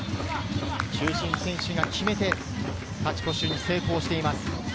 中心選手が決めて、勝ち越しに成功しています。